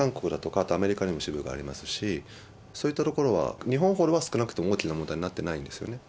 あとアメリカにも支部がありますし、そういったところは、日本ほどは少なくとも大きな問題になってないんですよね。